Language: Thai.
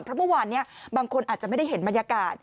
เพราะเมื่อวานนี้บางคนอาจจะไม่ได้เห็นบรรยากาศ